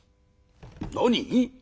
「何？